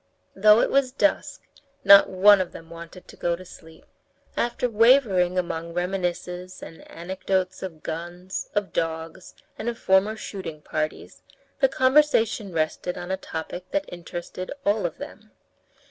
Though it was dusk, not one of them wanted to go to sleep. After wavering among reminiscences and anecdotes of guns, of dogs, and of former shooting parties, the conversation rested on a topic that interested all of them.